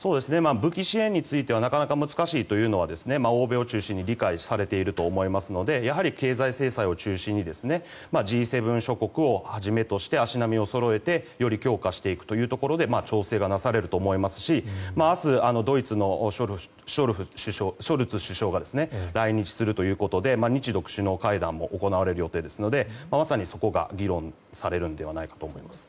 武器支援について難しいのは欧米を中心に理解されていると思いますのでやはり経済制裁を中心にＧ７諸国をはじめとして足並みをそろえてより強化していくことで調整がなされると思いますし明日、ドイツのショルツ首相が来日するということで日独首脳会談も行われる予定ですのでまさにそこが議論されるのではないかと思います。